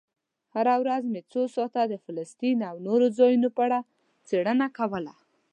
هره ورځ مې څو ساعته د فلسطین او نورو ځایونو په اړه څېړنه کوله.